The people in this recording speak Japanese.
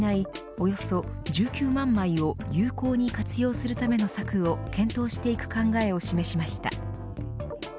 およそ１９万枚を有効に活用するための策を検討していく考えを示しました。